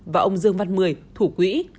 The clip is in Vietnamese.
và ông dương văn mười thủ quỹ